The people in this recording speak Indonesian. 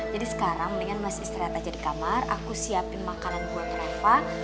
jadi sekarang mendingan mas istri atas di kamar aku siapin makanan buat reva